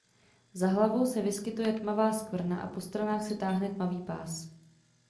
Za hlavou se vyskytuje tmavá skvrna a po stranách se táhne tmavý pás.